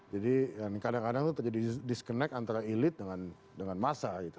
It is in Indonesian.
jadi kadang kadang terjadi disconnect antara elit dengan masa gitu